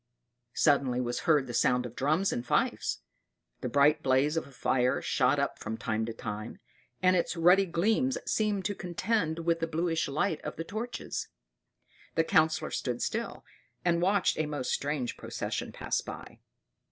Suddenly was heard the sound of drums and fifes; the bright blaze of a fire shot up from time to time, and its ruddy gleams seemed to contend with the bluish light of the torches. The Councillor stood still, and watched a most strange procession pass by.